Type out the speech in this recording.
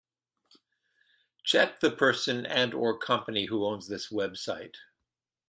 Check the person and/or company who owns this website.